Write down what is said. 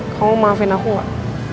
kamu mau maafin aku gak